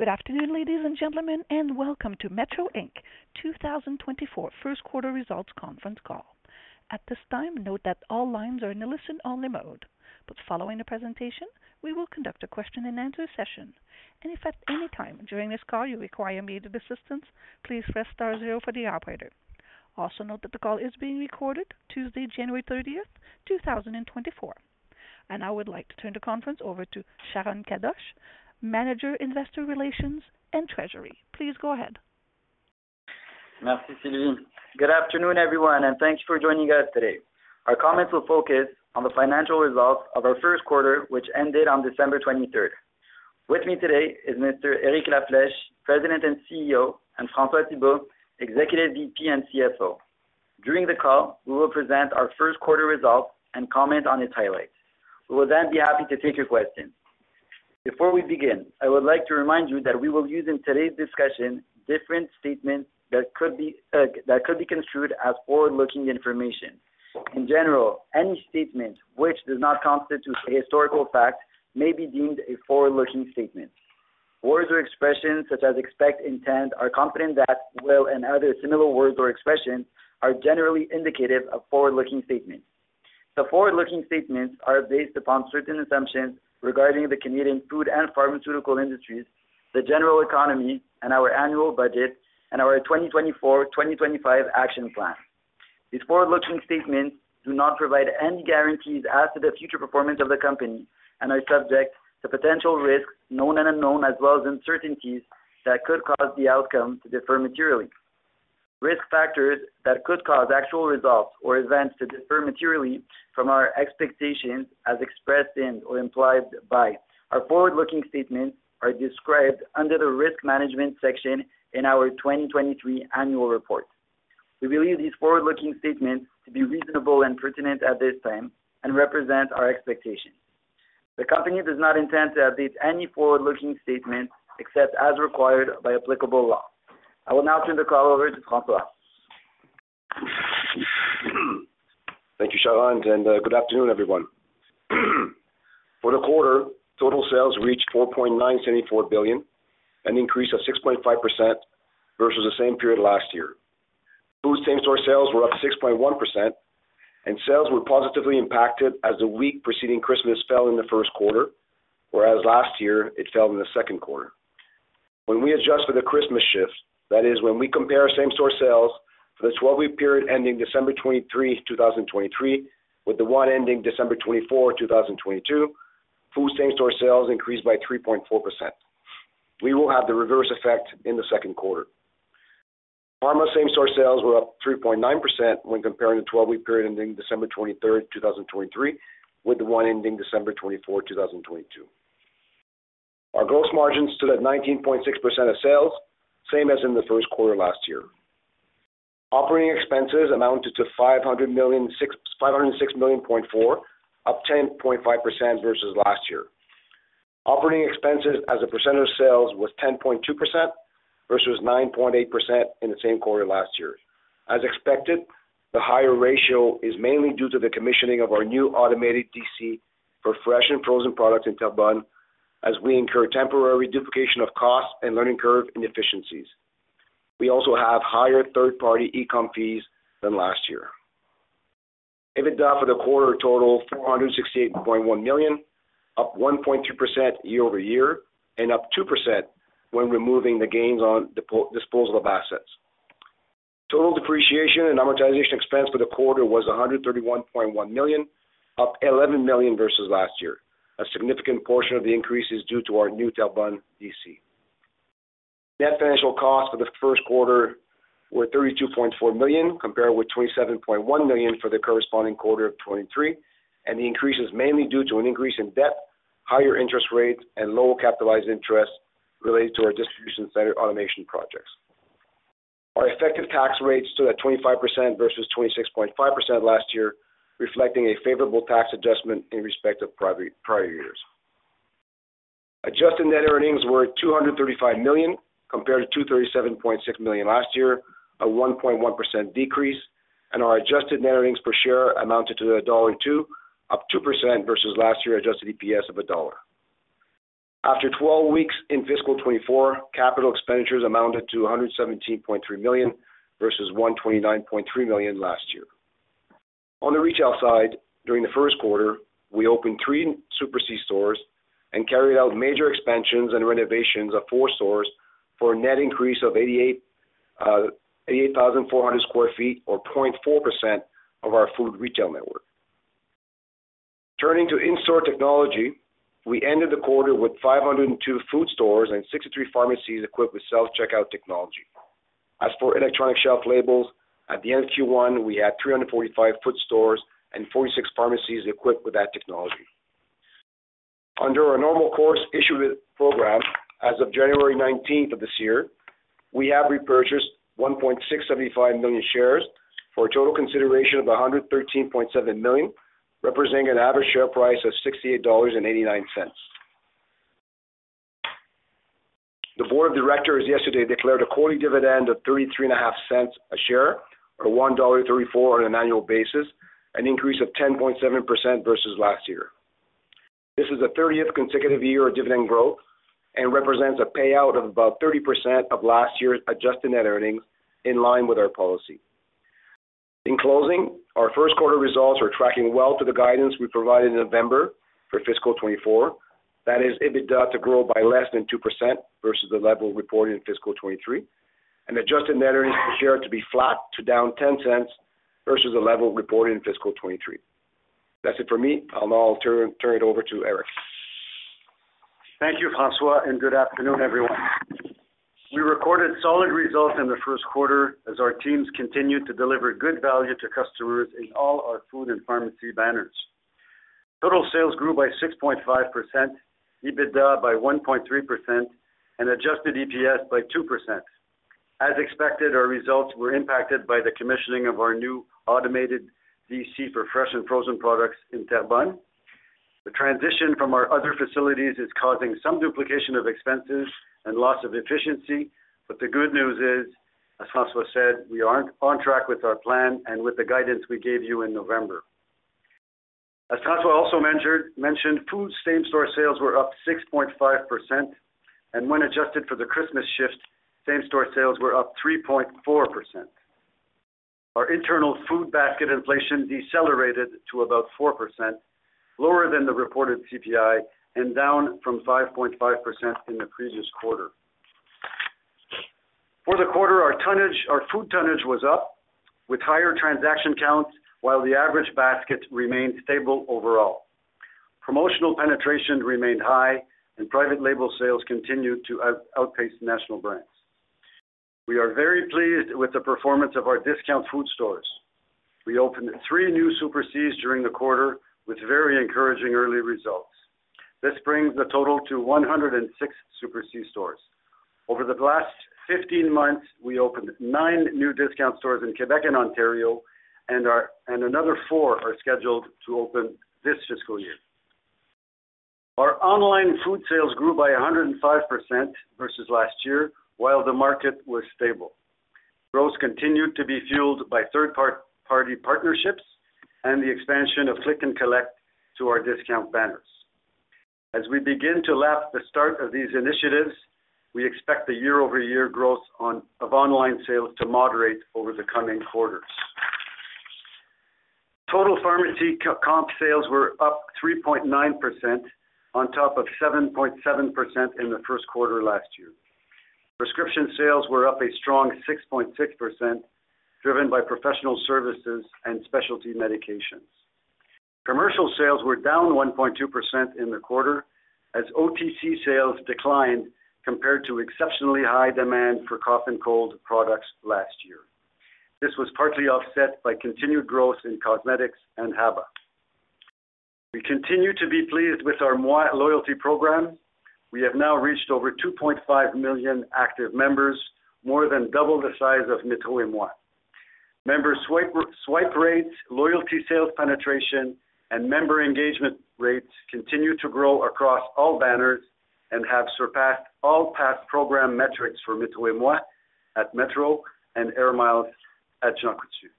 Good afternoon, ladies and gentlemen, and welcome to Metro Inc. 2024 first quarter results conference call. At this time, note that all lines are in a listen-only mode, but following the presentation, we will conduct a question-and-answer session. If at any time during this call you require immediate assistance, please press star zero for the operator. Also note that the call is being recorded, Tuesday, January 30, 2024. I would like to turn the conference over to Sharon Kadoche, Manager, Investor Relations and Treasury. Please go ahead. Merci, Sylvie. Good afternoon, everyone, and thank you for joining us today. Our comments will focus on the financial results of our first quarter, which ended on December twenty-third. With me today is Mr. Eric La Flèche, President and CEO, and François Thibault, Executive VP and CFO. During the call, we will present our first quarter results and comment on its highlights. We will then be happy to take your questions. Before we begin, I would like to remind you that we will use in today's discussion, different statements that could be, that could be construed as forward-looking information. In general, any statement which does not constitute a historical fact may be deemed a forward-looking statement. Words or expressions such as expect, intend, are confident that, will, and other similar words or expressions are generally indicative of forward-looking statements. The forward-looking statements are based upon certain assumptions regarding the Canadian food and pharmaceutical industries, the general economy and our annual budget, and our 2024/2025 action plan. These forward-looking statements do not provide any guarantees as to the future performance of the company and are subject to potential risks, known and unknown, as well as uncertainties that could cause the outcome to differ materially. Risk factors that could cause actual results or events to differ materially from our expectations, as expressed in or implied by our forward-looking statements, are described under the Risk Management section in our 2023 annual report. We believe these forward-looking statements to be reasonable and pertinent at this time and represent our expectations. The company does not intend to update any forward-looking statements except as required by applicable law. I will now turn the call over to François. Thank you, Sharon, and good afternoon, everyone. For the quarter, total sales reached 4.974 billion, an increase of 6.5% versus the same period last year. Food same-store sales were up 6.1%, and sales were positively impacted as the week preceding Christmas fell in the first quarter, whereas last year it fell in the second quarter. When we adjust for the Christmas shift, that is, when we compare same-store sales for the 12-week period ending December 23, 2023, with the one ending December 24, 2022, food same-store sales increased by 3.4%. We will have the reverse effect in the second quarter. Pharma same-store sales were up 3.9% when comparing the 12-week period ending December 23, 2023, with the one ending December 24, 2022. Our gross margins stood at 19.6% of sales, same as in the first quarter last year. Operating expenses amounted to 506.4 million, up 10.5% versus last year. Operating expenses as a percent of sales was 10.2% versus 9.8% in the same quarter last year. As expected, the higher ratio is mainly due to the commissioning of our new automated DC for fresh and frozen products in Terrebonne, as we incur temporary duplication of costs and learning curve inefficiencies. We also have higher third-party e-com fees than last year. EBITDA for the quarter totaled CAD 468.1 million, up 1.2% year-over-year, and up 2% when removing the gains on disposal of assets. Total depreciation and amortization expense for the quarter was 131.1 million, up 11 million versus last year. A significant portion of the increase is due to our new Terrebonne DC. Net financial costs for the first quarter were 32.4 million, compared with 27.1 million for the corresponding quarter of 2023, and the increase is mainly due to an increase in debt, higher interest rates, and lower capitalized interest related to our distribution center automation projects. Our effective tax rate stood at 25% versus 26.5% last year, reflecting a favorable tax adjustment in respect of prior, prior years. Adjusted net earnings were 235 million, compared to 237.6 million last year, a 1.1% decrease, and our adjusted net earnings per share amounted to dollar 1.02, up 2% versus last year adjusted EPS of CAD 1. After 12 weeks in fiscal 2024, capital expenditures amounted to 117.3 million versus 129.3 million last year. On the retail side, during the first quarter, we opened three Super C stores and carried out major expansions and renovations of four stores for a net increase of 88,400 sq ft, or 0.4% of our food retail network. Turning to in-store technology, we ended the quarter with 502 food stores and 63 pharmacies equipped with self-checkout technology. As for electronic shelf labels, at the end of Q1, we had 345 food stores and 46 pharmacies equipped with that technology. Under our normal course issuer program, as of January 19 of this year, we have repurchased 1.675 million shares for a total consideration of 113.7 million, representing an average share price of 68.89 dollars. The board of directors yesterday declared a quarterly dividend of 0.335 a share, or 1.34 dollar on an annual basis... an increase of 10.7% versus last year. This is the 30th consecutive year of dividend growth and represents a payout of about 30% of last year's adjusted net earnings, in line with our policy. In closing, our first quarter results are tracking well to the guidance we provided in November for fiscal 2024. That is, EBITDA to grow by less than 2% versus the level reported in fiscal 2023, and adjusted net earnings per share to be flat to down 0.10 versus the level reported in fiscal 2023. That's it for me. I'll now turn it over to Eric. Thank you, François, and good afternoon, everyone. We recorded solid results in the first quarter as our teams continued to deliver good value to customers in all our food and pharmacy banners. Total sales grew by 6.5%, EBITDA by 1.3%, and adjusted EPS by 2%. As expected, our results were impacted by the commissioning of our new automated DC for fresh and frozen products in Terrebonne. The transition from our other facilities is causing some duplication of expenses and loss of efficiency, but the good news is, as François said, we are on track with our plan and with the guidance we gave you in November. As François also mentioned, food same-store sales were up 6.5%, and when adjusted for the Christmas shift, same-store sales were up 3.4%. Our internal food basket inflation decelerated to about 4%, lower than the reported CPI and down from 5.5% in the previous quarter. For the quarter, our food tonnage was up with higher transaction counts, while the average basket remained stable overall. Promotional penetration remained high and private label sales continued to outpace national brands. We are very pleased with the performance of our discount food stores. We opened three new Super C's during the quarter with very encouraging early results. This brings the total to 106 Super C stores. Over the last 15 months, we opened nine new discount stores in Quebec and Ontario, and another four are scheduled to open this fiscal year. Our online food sales grew by 105% versus last year, while the market was stable. Growth continued to be fueled by third-party partnerships and the expansion of click-and-collect to our discount banners. As we begin to lap the start of these initiatives, we expect the year-over-year growth of online sales to moderate over the coming quarters. Total pharmacy comp sales were up 3.9%, on top of 7.7% in the first quarter last year. Prescription sales were up a strong 6.6%, driven by professional services and specialty medications. Commercial sales were down 1.2% in the quarter as OTC sales declined compared to exceptionally high demand for cough and cold products last year. This was partly offset by continued growth in cosmetics and HABA. We continue to be pleased with our Moi loyalty program. We have now reached over 2.5 million active members, more than double the size of Metro & Moi. Member swipe, swipe rates, loyalty sales penetration, and member engagement rates continue to grow across all banners and have surpassed all past program metrics for Metro & Moi at Metro and Air Miles at Jean Coutu.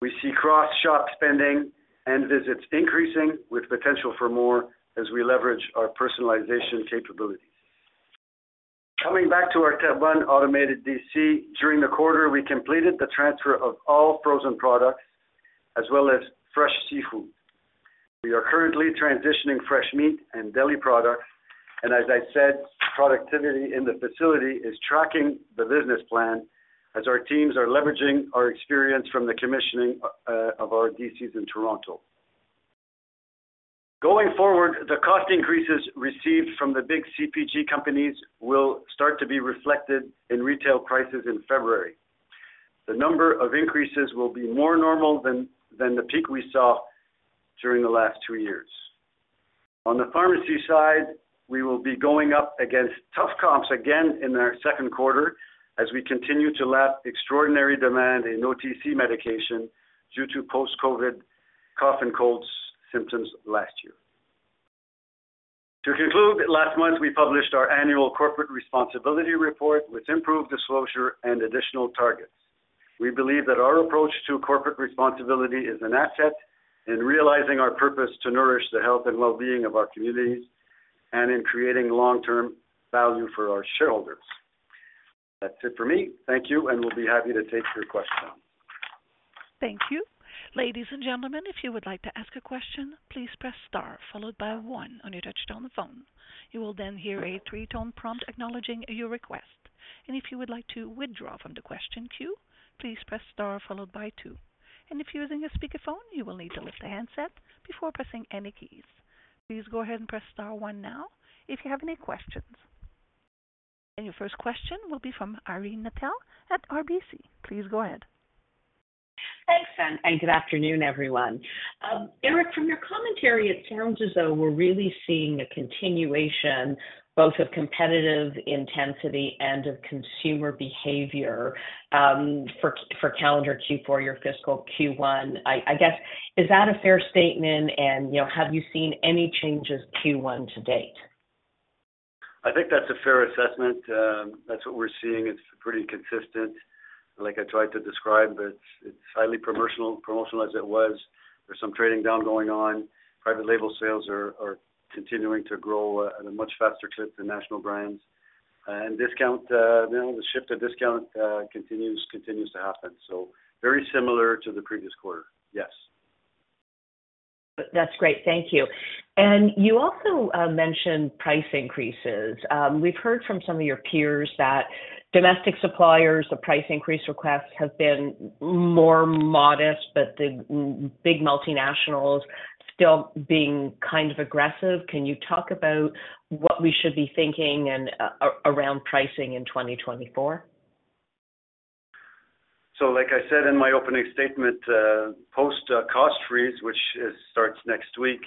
We see cross-shop spending and visits increasing, with potential for more as we leverage our personalization capabilities. Coming back to our Terrebonne automated DC, during the quarter, we completed the transfer of all frozen products as well as fresh seafood. We are currently transitioning fresh meat and deli products, and as I said, productivity in the facility is tracking the business plan as our teams are leveraging our experience from the commissioning of our DCs in Toronto. Going forward, the cost increases received from the big CPG companies will start to be reflected in retail prices in February. The number of increases will be more normal than the peak we saw during the last two years. On the pharmacy side, we will be going up against tough comps again in our second quarter as we continue to lap extraordinary demand in OTC medication due to post-COVID cough and cold symptoms last year. To conclude, last month, we published our annual corporate responsibility report, with improved disclosure and additional targets. We believe that our approach to corporate responsibility is an asset in realizing our purpose to nourish the health and well-being of our communities and in creating long-term value for our shareholders. That's it for me. Thank you, and we'll be happy to take your questions. Thank you. Ladies and gentlemen, if you would like to ask a question, please press star followed by one on your touch-tone phone. You will then hear a three-tone prompt acknowledging your request. If you would like to withdraw from the question queue, please press star followed by two. If you're using a speakerphone, you will need to lift the handset before pressing any keys. Please go ahead and press star one now if you have any questions. Your first question will be from Irene Nattel at RBC. Please go ahead. Thanks, and good afternoon, everyone. Eric, from your commentary, it sounds as though we're really seeing a continuation both of competitive intensity and of consumer behavior for calendar Q4, your fiscal Q1. I guess, is that a fair statement? You know, have you seen any changes Q1 to date?... I think that's a fair assessment. That's what we're seeing. It's pretty consistent. Like I tried to describe, it's highly promotional, promotional as it was. There's some trading down going on. Private label sales are continuing to grow at a much faster clip than national brands. And discount, you know, the shift to discount continues to happen. So very similar to the previous quarter. Yes. That's great. Thank you. You also mentioned price increases. We've heard from some of your peers that domestic suppliers, the price increase requests have been more modest, but the big multinationals still being kind of aggressive. Can you talk about what we should be thinking and around pricing in 2024? So, like I said in my opening statement, post cost freeze, which starts next week,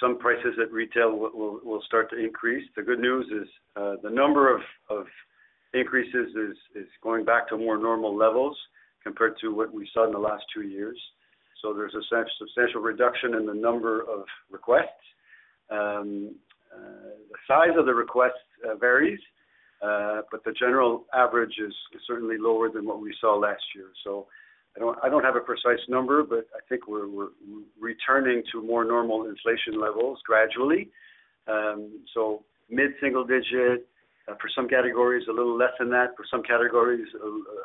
some prices at retail will start to increase. The good news is, the number of increases is going back to more normal levels compared to what we saw in the last two years. So there's a substantial reduction in the number of requests. The size of the request varies, but the general average is certainly lower than what we saw last year. So I don't have a precise number, but I think we're returning to more normal inflation levels gradually. So mid-single digit, for some categories, a little less than that, for some categories,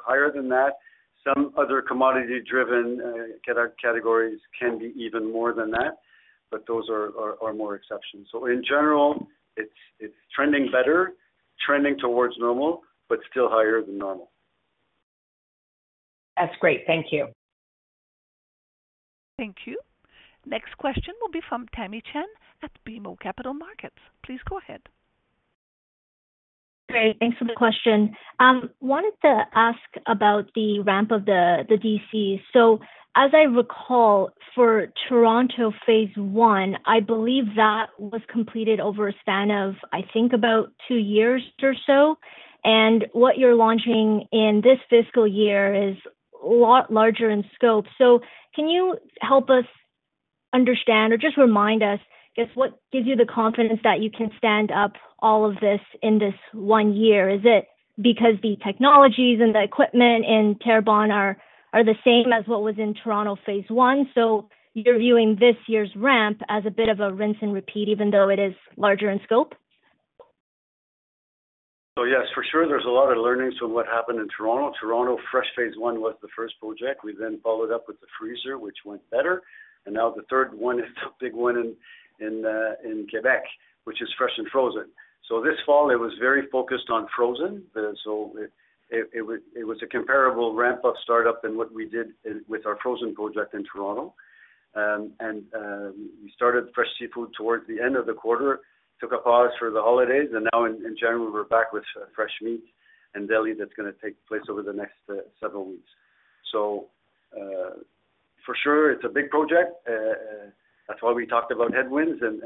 higher than that. Some other commodity-driven categories can be even more than that, but those are more exceptions. So in general, it's trending better, trending towards normal, but still higher than normal. That's great. Thank you. Thank you. Next question will be from Tamy Chen at BMO Capital Markets. Please go ahead. Great. Thanks for the question. Wanted to ask about the ramp of the DC. So as I recall for Toronto phase one, I believe that was completed over a span of, I think, about two years or so, and what you're launching in this fiscal year is a lot larger in scope. So can you help us understand or just remind us, just what gives you the confidence that you can stand up all of this in this one year? Is it because the technologies and the equipment in Terrebonne are the same as what was in Toronto phase one, so you're viewing this year's ramp as a bit of a rinse and repeat, even though it is larger in scope? So yes, for sure, there's a lot of learnings from what happened in Toronto. Toronto, fresh phase one, was the first project. We then followed up with the freezer, which went better, and now the third one is the big one in Quebec, which is fresh and frozen. So this fall, it was very focused on frozen. So it was a comparable ramp-up startup than what we did with our frozen project in Toronto. And we started fresh seafood towards the end of the quarter, took a pause for the holidays, and now in general, we're back with fresh meat and deli that's gonna take place over the next several weeks. So for sure, it's a big project. That's why we talked about headwinds and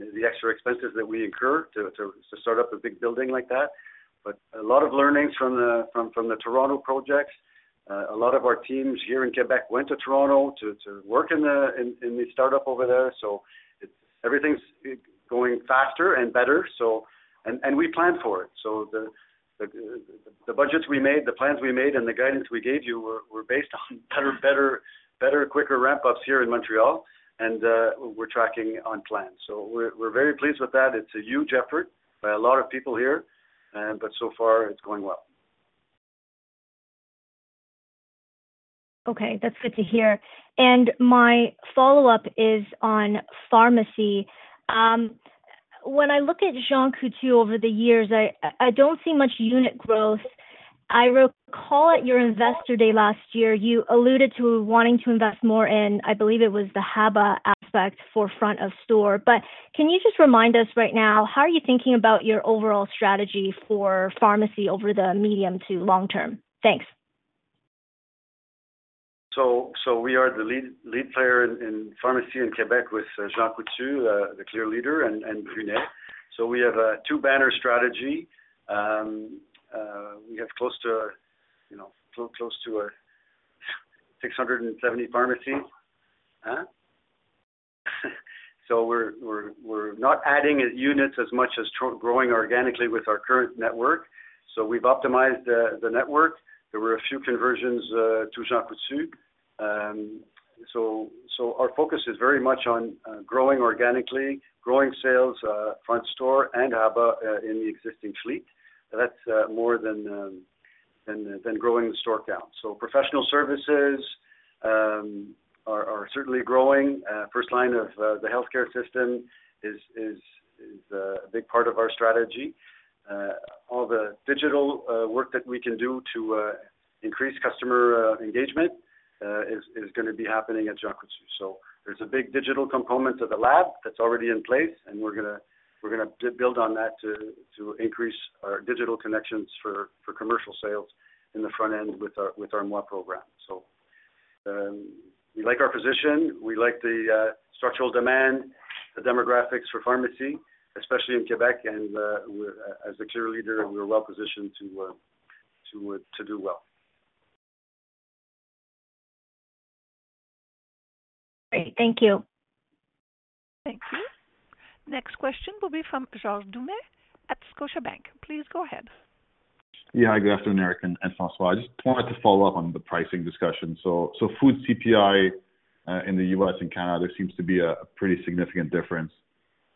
the extra expenses that we incur to start up a big building like that. But a lot of learnings from the Toronto projects. A lot of our teams here in Quebec went to Toronto to work in the startup over there. So it's everything's going faster and better, so. And we planned for it. So the budgets we made, the plans we made, and the guidance we gave you were based on better, quicker ramp-ups here in Montreal, and we're tracking on plan. So we're very pleased with that. It's a huge effort by a lot of people here, but so far it's going well. Okay, that's good to hear. And my follow-up is on pharmacy. When I look at Jean Coutu over the years, I don't see much unit growth. I recall at your investor day last year, you alluded to wanting to invest more in, I believe it was the HABA aspect for front of store. But can you just remind us right now, how are you thinking about your overall strategy for pharmacy over the medium to long term? Thanks. So we are the lead player in pharmacy in Quebec with Jean Coutu, the clear leader and Brunet. So we have a two-banner strategy. We have close to, you know, 670 pharmacies. So we're not adding units as much as growing organically with our current network. So we've optimized the network. There were a few conversions to Jean Coutu. So our focus is very much on growing organically, growing sales, front store and HABA, in the existing fleet. That's more than growing the store count. So professional services are certainly growing. First line of the healthcare system is a big part of our strategy. All the digital work that we can do to increase customer engagement is gonna be happening at Jean Coutu. So there's a big digital component of the lab that's already in place, and we're gonna build on that to increase our digital connections for commercial sales in the front end with our Moi program. So, we like our position, we like the structural demand, the demographics for pharmacy, especially in Quebec, and we're as a clear leader, we're well positioned to do well.... Great. Thank you. Thank you. Next question will be from George Doumet at Scotiabank. Please go ahead. Yeah, hi, good afternoon, Eric and François. I just wanted to follow up on the pricing discussion. So food CPI in the U.S. and Canada, there seems to be a pretty significant difference.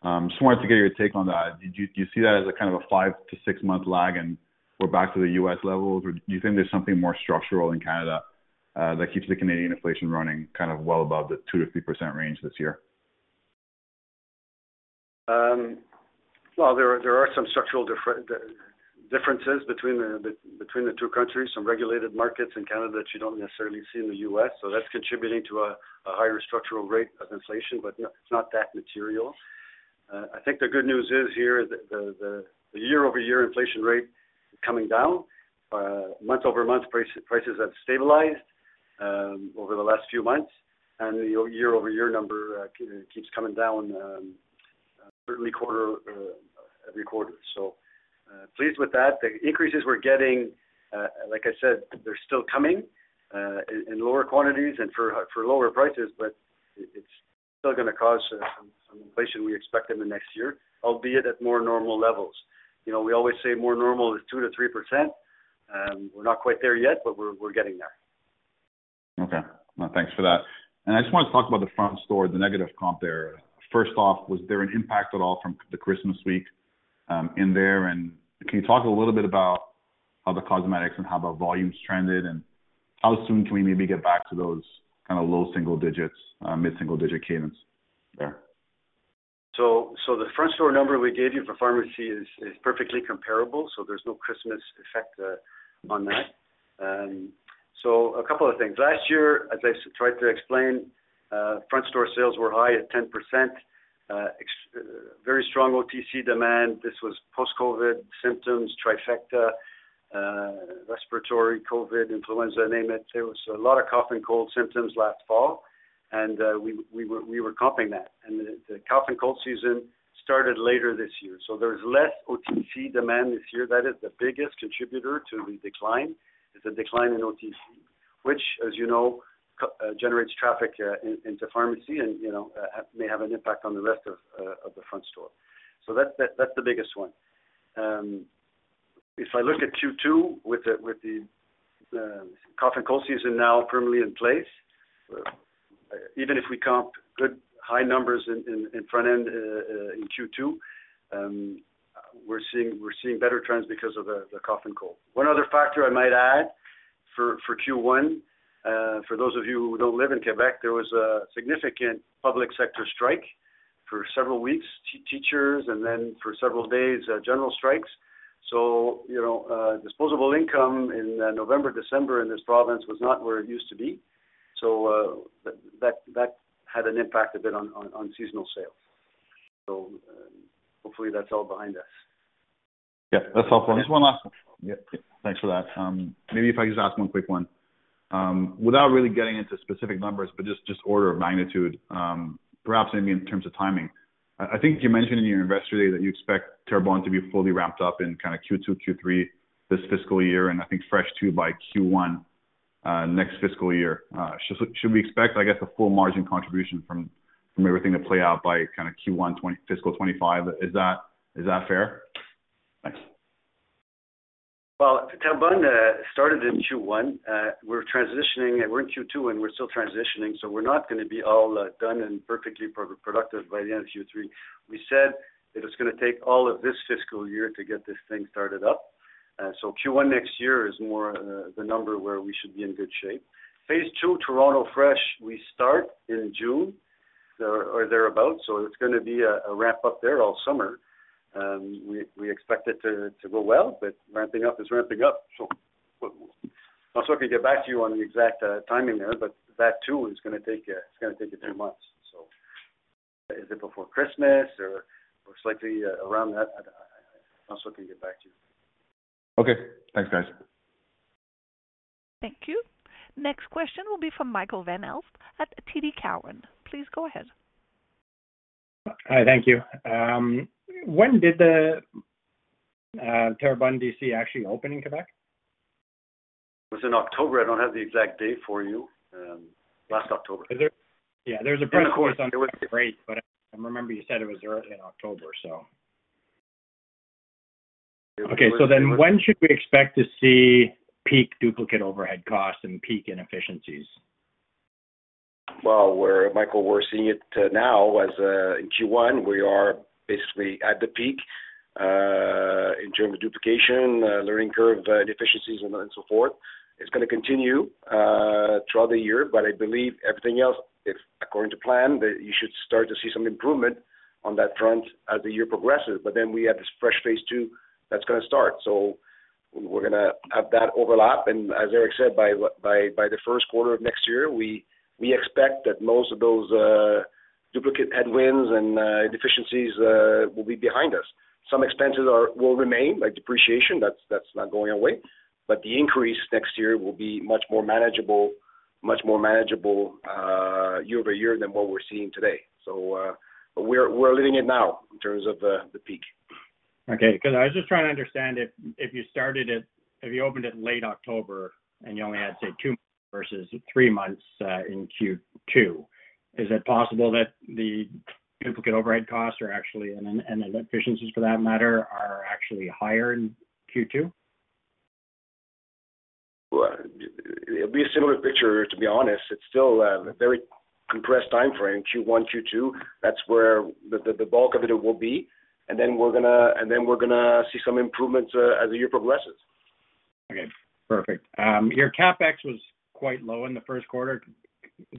Just wanted to get your take on that. Do you see that as a kind of a five-to-six-month lag, and we're back to the U.S. levels? Or do you think there's something more structural in Canada that keeps the Canadian inflation running kind of well above the 2%-3% range this year? Well, there are some structural differences between the two countries, some regulated markets in Canada that you don't necessarily see in the U.S., so that's contributing to a higher structural rate of inflation, but no, it's not that material. I think the good news is here that the year-over-year inflation rate is coming down. Month-over-month prices have stabilized over the last few months, and the year-over-year number keeps coming down, certainly every quarter. So, pleased with that. The increases we're getting, like I said, they're still coming in lower quantities and for lower prices, but it's still gonna cause some inflation we expect in the next year, albeit at more normal levels. You know, we always say more normal is 2%-3%, we're not quite there yet, but we're getting there. Okay. Well, thanks for that. And I just wanted to talk about the front store, the negative comp there. First off, was there an impact at all from the Christmas week in there? And can you talk a little bit about how the cosmetics and how the volumes trended, and how soon can we maybe get back to those kind of low single digits, mid-single-digit cadence there? So the front-store number we gave you for pharmacy is perfectly comparable, so there's no Christmas effect on that. So a couple of things. Last year, as I tried to explain, front store sales were high at 10%, ex very strong OTC demand. This was post-COVID symptoms, trifecta, respiratory, COVID, influenza, name it. There was a lot of cough and cold symptoms last fall, and we were comping that. And the cough and cold season started later this year, so there's less OTC demand this year. That is the biggest contributor to the decline. It's a decline in OTC, which, as you know, generates traffic into pharmacy and, you know, may have an impact on the rest of the front store. So that's the biggest one. If I look at Q2 with the cough and cold season now firmly in place, even if we comp good high numbers in front end in Q2, we're seeing better trends because of the cough and cold. One other factor I might add for Q1, for those of you who don't live in Quebec, there was a significant public sector strike for several weeks, teachers, and then for several days, general strikes. So, you know, disposable income in November, December in this province was not where it used to be. So, that had an impact a bit on seasonal sales. So, hopefully that's all behind us. Yeah, that's all for me. Just one last one. Yeah. Thanks for that. Maybe if I could just ask one quick one. Without really getting into specific numbers, but just order of magnitude, perhaps maybe in terms of timing. I think you mentioned in your investor day that you expect Terrebonne to be fully wrapped up in kind of Q2, Q3 this fiscal year, and I think Fresh too, by Q1 next fiscal year. Should we expect, I guess, a full margin contribution from everything to play out by kind of Q1, twenty fiscal 2025? Is that fair? Thanks. Well, Terrebonne started in Q1. We're transitioning, and we're in Q2, and we're still transitioning, so we're not gonna be all done and perfectly productive by the end of Q3. We said that it's gonna take all of this fiscal year to get this thing started up. So Q1 next year is more the number where we should be in good shape. Phase two, Toronto Fresh, we start in June or thereabout, so it's gonna be a wrap-up there all summer. We expect it to go well, but ramping up is ramping up. So François can get back to you on the exact timing there, but that too is gonna take a few months. So is it before Christmas or slightly around that? François can get back to you. Okay. Thanks, guys. Thank you. Next question will be from Michael Van Aelst at TD Cowen. Please go ahead. Hi, thank you. When did the Terrebonne DC actually open in Quebec? It was in October. I don't have the exact date for you. Last October. Is there...? Yeah, there's a press release on break, but I remember you said it was early in October, so. Okay- When should we expect to see peak duplicate overhead costs and peak inefficiencies? Well, Michael, we're seeing it now. As in Q1, we are basically at the peak in terms of duplication, learning curve, deficiencies and so forth. It's gonna continue throughout the year, but I believe everything else, if according to plan, that you should start to see some improvement on that front as the year progresses. But then we have this fresh phase two that's gonna start. So we're gonna have that overlap, and as Eric said, by the first quarter of next year, we expect that most of those duplicate headwinds and deficiencies will be behind us. Some expenses will remain, like depreciation, that's not going away, but the increase next year will be much more manageable, much more manageable year over year than what we're seeing today. We're living it now in terms of the peak.... Okay, 'cause I was just trying to understand if, if you started it, if you opened it late October, and you only had, say, 2 months versus 3 months in Q2, is it possible that the duplicate override costs are actually, and efficiencies for that matter, are actually higher in Q2? Well, it'll be a similar picture, to be honest. It's still a very compressed timeframe, Q1, Q2. That's where the bulk of it will be. And then we're gonna see some improvements as the year progresses. Okay, perfect. Your CapEx was quite low in the first quarter,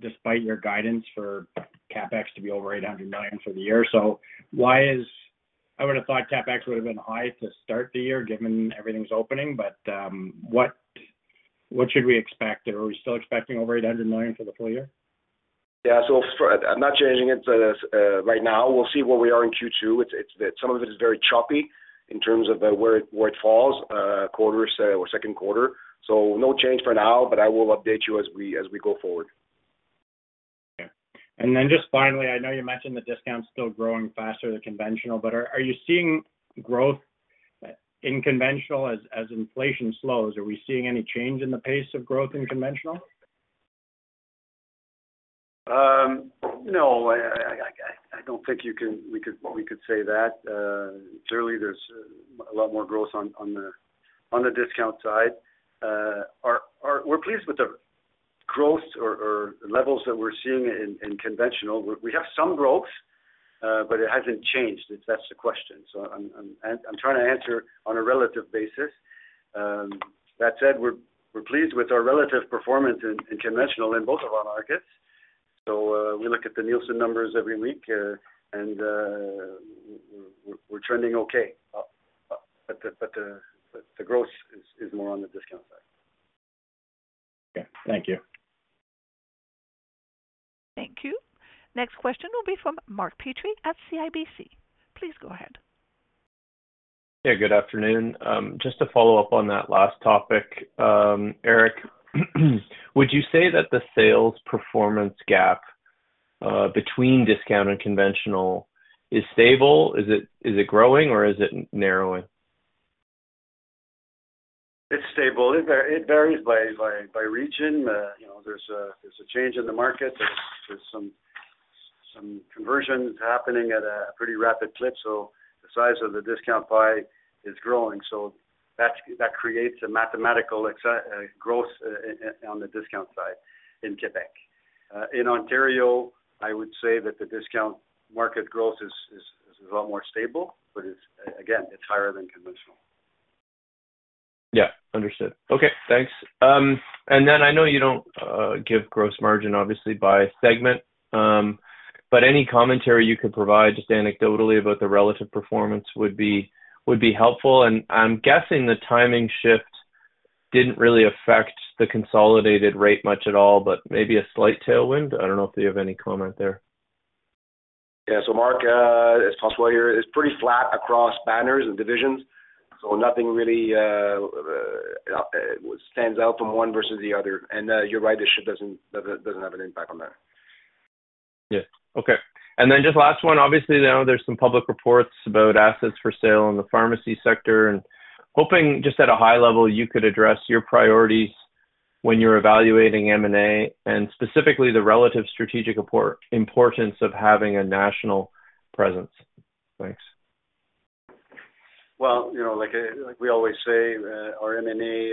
despite your guidance for CapEx to be over 800 million for the year. So why is... I would have thought CapEx would have been high to start the year, given everything's opening, but, what should we expect? Are we still expecting over 800 million for the full year? Yeah. So I'm not changing it right now. We'll see where we are in Q2. It's some of it is very choppy in terms of where it falls quarters or second quarter. So no change for now, but I will update you as we go forward. Okay. And then just finally, I know you mentioned the discount's still growing faster than conventional, but are you seeing growth in conventional as inflation slows? Are we seeing any change in the pace of growth in conventional? No, I don't think you can-- we could say that. Clearly, there's a lot more growth on the discount side. We're pleased with the growth or levels that we're seeing in conventional. We have some growth, but it hasn't changed, if that's the question. So I'm trying to answer on a relative basis. That said, we're pleased with our relative performance in conventional in both of our markets. So, we look at the Nielsen numbers every week, and we're trending okay. But the growth is more on the discount side. Okay. Thank you. Thank you. Next question will be from Mark Petrie at CIBC. Please go ahead. Yeah, good afternoon. Just to follow up on that last topic, Eric, would you say that the sales performance gap between discount and conventional is stable? Is it, is it growing, or is it narrowing? It's stable. It varies by region. You know, there's a change in the market. There's some conversions happening at a pretty rapid clip, so the size of the discount pie is growing. So that creates a mathematical growth on the discount side in Quebec. In Ontario, I would say that the discount market growth is a lot more stable, but again, it's higher than conventional. Yeah, understood. Okay, thanks. And then I know you don't give gross margin, obviously, by segment, but any commentary you could provide, just anecdotally, about the relative performance would be, would be helpful. And I'm guessing the timing shift didn't really affect the consolidated rate much at all, but maybe a slight tailwind. I don't know if you have any comment there. Yeah. So Mark, it's François here, is pretty flat across banners and divisions, so nothing really stands out from one versus the other. And you're right, the shift doesn't have an impact on that. Yeah. Okay. And then just last one, obviously, now there's some public reports about assets for sale in the pharmacy sector, and hoping just at a high level, you could address your priorities when you're evaluating M&A, and specifically the relative strategic importance of having a national presence. Thanks. Well, you know, like, like we always say, our M&A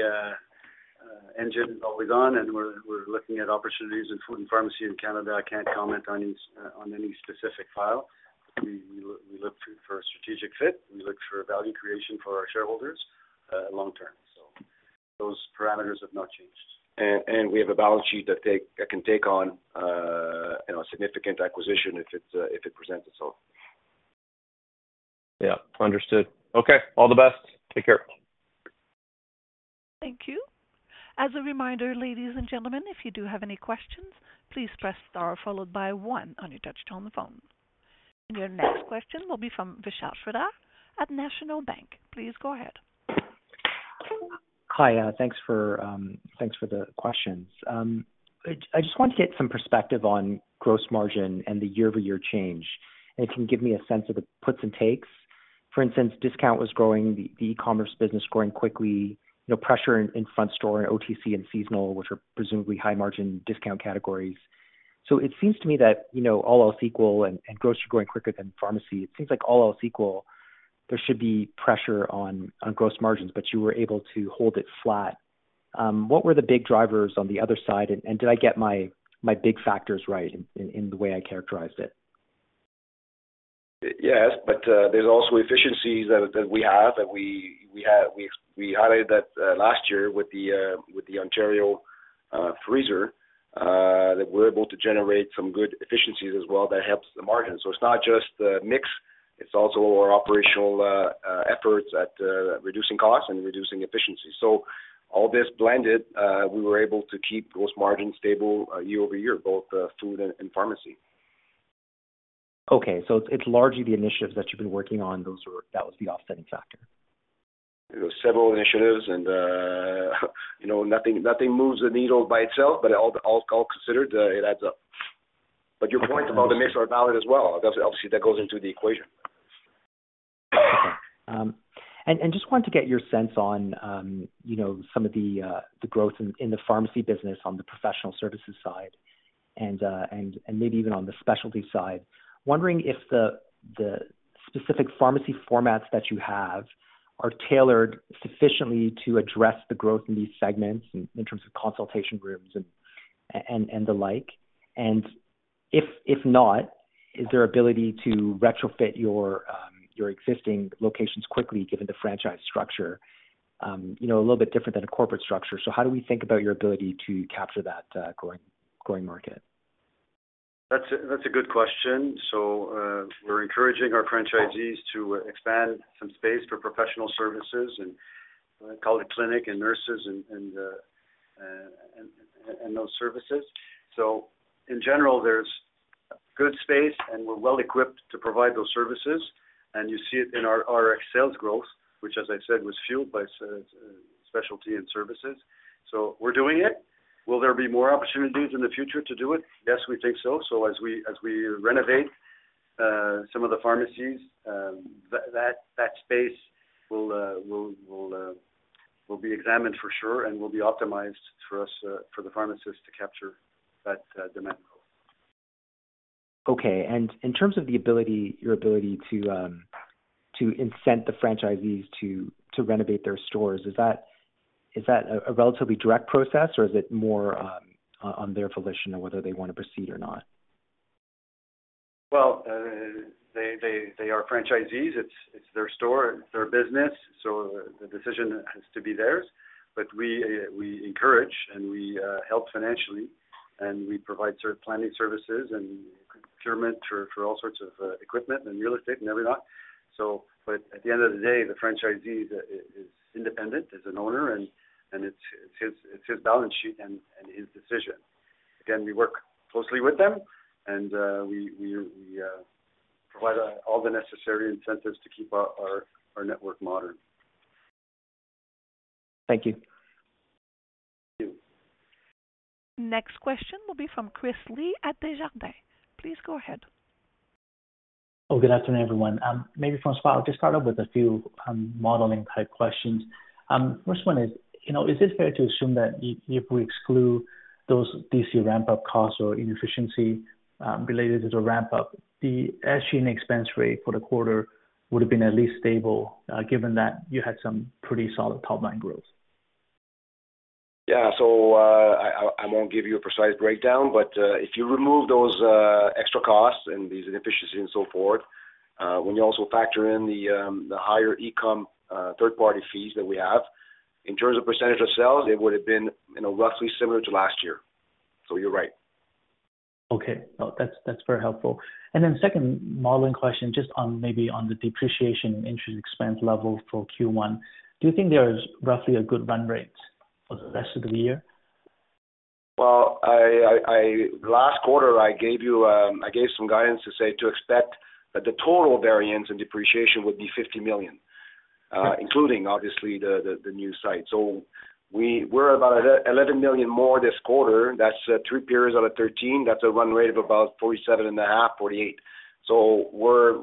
engine is always on, and we're looking at opportunities in food and pharmacy in Canada. I can't comment on any specific file. We look for a strategic fit, we look for value creation for our shareholders, long term. So those parameters have not changed. We have a balance sheet that can take on, you know, a significant acquisition if it presents itself. Yeah, understood. Okay, all the best. Take care. Thank you. As a reminder, ladies and gentlemen, if you do have any questions, please press star followed by one on your touchtone phone. Your next question will be from Vishal Shreedhar at National Bank. Please go ahead. Hi, thanks for the questions. I just wanted to get some perspective on gross margin and the year-over-year change, and can you give me a sense of the puts and takes? For instance, discount was growing, the e-commerce business growing quickly, no pressure in front store, OTC and seasonal, which are presumably high margin discount categories. So it seems to me that, you know, all else equal, grocery growing quicker than pharmacy, it seems like all else equal, there should be pressure on gross margins, but you were able to hold it flat. What were the big drivers on the other side, and did I get my big factors right in the way I characterized it? Yes, but there's also efficiencies that we have. We added that last year with the Ontario freezer that we're able to generate some good efficiencies as well that helps the margin. So it's not just the mix, it's also our operational efforts at reducing costs and reducing efficiency. So all this blended, we were able to keep gross margin stable year-over-year, both food and pharmacy. Okay, so it's largely the initiatives that you've been working on. Those were, that was the offsetting factor? Several initiatives and, you know, nothing, nothing moves the needle by itself, but all, all, all considered, it adds up. But your point about the mix are valid as well. Obviously, that goes into the equation. Just wanted to get your sense on, you know, some of the, the growth in, the pharmacy business, on the professional services side and, maybe even on the specialty side. Wondering if the specific pharmacy formats that you have are tailored sufficiently to address the growth in these segments, in terms of consultation rooms and, the like. And if not, is there ability to retrofit your, your existing locations quickly, given the franchise structure? You know, a little bit different than a corporate structure. So how do we think about your ability to capture that, growing market? That's a good question. So, we're encouraging our franchisees to expand some space for professional services and call it clinic and nurses and those services. So in general, there's good space, and we're well equipped to provide those services. And you see it in our sales growth, which, as I said, was fueled by specialty and services. So we're doing it. Will there be more opportunities in the future to do it? Yes, we think so. So as we renovate some of the pharmacies, that space will be examined for sure and will be optimized for us, for the pharmacist to capture that demand growth. Okay. In terms of your ability to incent the franchisees to renovate their stores, is that a relatively direct process, or is it more on their volition and whether they wanna proceed or not? Well, they are franchisees. It's their store, it's their business, so the decision has to be theirs. But we encourage, and we help financially, and we provide site planning services and procurement for all sorts of equipment and real estate and everything. So, but at the end of the day, the franchisee is independent, is an owner, and it's his balance sheet and his decision. Again, we work closely with them, and we provide all the necessary incentives to keep our network modern. Thank you. Thank you. Next question will be from Chris Li at Desjardins. Please go ahead. Oh, good afternoon, everyone. Maybe from spot, I'll just start off with a few modeling type questions. First one is, you know, is it fair to assume that if we exclude those DC ramp-up costs or inefficiency related to the ramp-up, the SG&A expense rate for the quarter would have been at least stable, given that you had some pretty solid top line growth? Yeah. So, I won't give you a precise breakdown, but, if you remove those extra costs and these inefficiencies and so forth, when you also factor in the higher e-com third-party fees that we have, in terms of percentage of sales, it would have been, you know, roughly similar to last year. So you're right. Okay. No, that's, that's very helpful. And then second modeling question, just on maybe on the depreciation and interest expense level for Q1. Do you think there is roughly a good run rate for the rest of the year? Well, I... Last quarter, I gave you, I gave some guidance to say, to expect that the total variance and depreciation would be 50 million, including obviously, the new site. So we're about 11 million more this quarter. That's three periods out of 13. That's a run rate of about 47.5, 48. So we're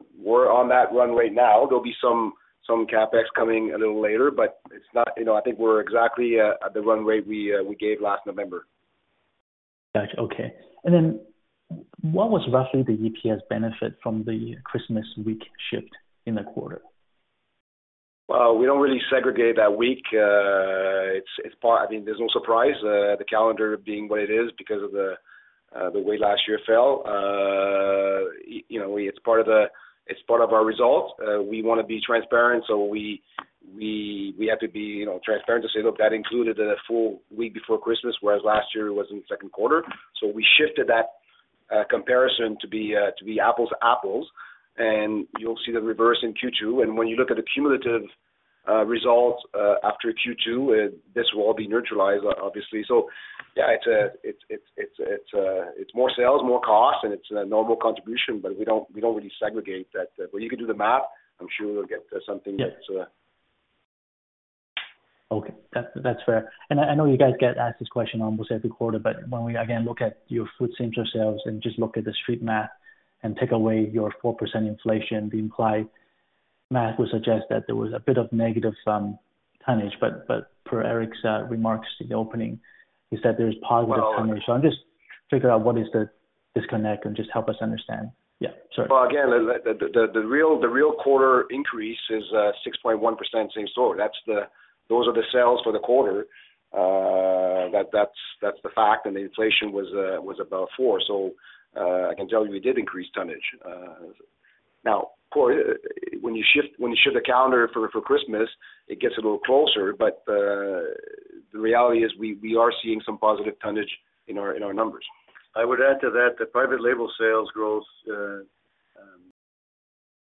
on that run rate now. There'll be some CapEx coming a little later, but it's not... You know, I think we're exactly at the run rate we gave last November. Gotcha. Okay. And then what was roughly the EPS benefit from the Christmas week shift in the quarter? Well, we don't really segregate that week. It's part—I mean, there's no surprise, the calendar being what it is because of the way last year fell. You know, it's part of the, it's part of our results. We wanna be transparent, so we have to be, you know, transparent to say, "Look, that included a full week before Christmas, whereas last year it was in the second quarter." So we shifted that comparison to be apples to apples, and you'll see the reverse in Q2. And when you look at the cumulative results after Q2, this will all be neutralized, obviously. So yeah, it's more sales, more costs, and it's a normal contribution, but we don't really segregate that. But you can do the math. I'm sure you'll get something that Okay, that's, that's fair. And I, I know you guys get asked this question almost every quarter, but when we again look at your food center sales and just look at the street math and take away your 4% inflation, the implied math would suggest that there was a bit of negative tonnage. But, but per Eric's remarks in the opening, he said there's positive tonnage. Well- I'm just figure out what is the disconnect, and just help us understand. Yeah, sorry. Well, again, the real quarter increase is 6.1% same store. That's those are the sales for the quarter. That, that's the fact. And the inflation was about 4%. So, I can tell you we did increase tonnage. Now, of course, when you shift the calendar for Christmas, it gets a little closer. But the reality is we are seeing some positive tonnage in our numbers. I would add to that, the private label sales growth,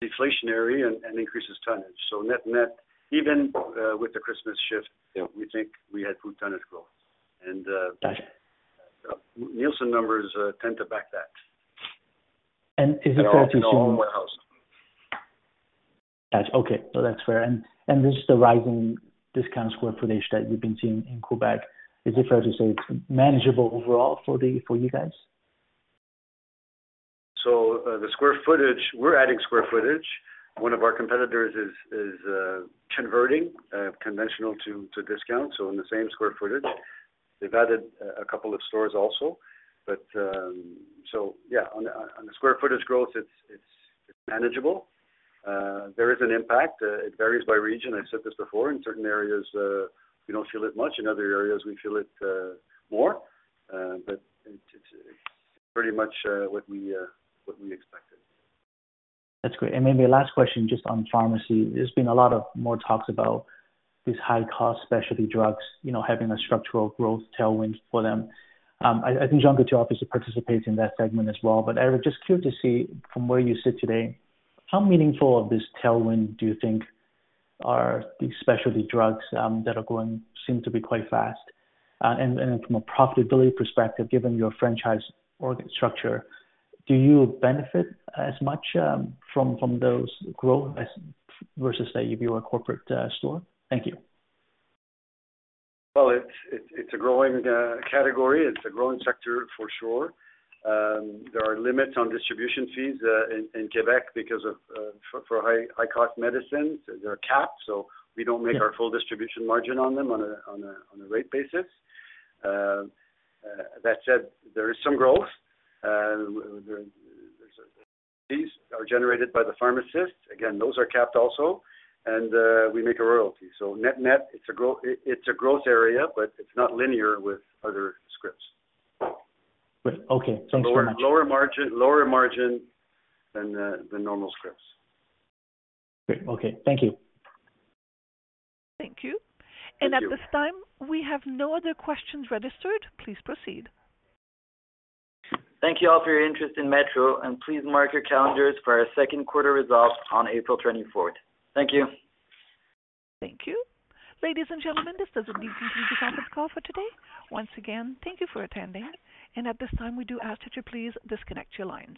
deflationary and increases tonnage. So net, even, with the Christmas shift- Yeah.... we think we had food tonnage growth. Gotcha. Nielsen numbers tend to back that.... is it fair to assume- In all, in all our warehouses. Gotcha. Okay, so that's fair. And this is the rising discount square footage that you've been seeing in Quebec. Is it fair to say it's manageable overall for you guys? So, the square footage, we're adding square footage. One of our competitors is converting conventional to discount, so in the same square footage. They've added a couple of stores also. But, so yeah, on the square footage growth, it's manageable. There is an impact. It varies by region. I've said this before, in certain areas, we don't feel it much. In other areas, we feel it more, but it's pretty much what we expected. That's great. And maybe a last question just on pharmacy. There's been a lot of more talks about these high-cost specialty drugs, you know, having a structural growth tailwind for them. I think Jean Coutu obviously participates in that segment as well. But I was just curious to see, from where you sit today, how meaningful of this tailwind do you think are these specialty drugs, that are going... seem to be quite fast? And from a profitability perspective, given your franchise org structure, do you benefit as much, from those growth as versus, say, if you're a corporate store? Thank you. Well, it's a growing category. It's a growing sector for sure. There are limits on distribution fees in Quebec because of high-cost medicines. There are caps, so we don't make our full distribution margin on them on a rate basis. That said, there is some growth. There are generated by the pharmacist. Again, those are capped also, and we make a royalty. So net-net, it's a growth area, but it's not linear with other scripts. Okay. Thanks so much. Lower margin, lower margin than the normal scripts. Great. Okay. Thank you. Thank you. Thank you. At this time, we have no other questions registered. Please proceed. Thank you all for your interest in Metro, and please mark your calendars for our second quarter results on April 24th. Thank you. Thank you. Ladies and gentlemen, this does conclude the conference call for today. Once again, thank you for attending, and at this time, we do ask that you please disconnect your lines.